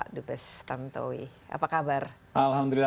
alhamdulillah sehat terima kasih berdiri dalam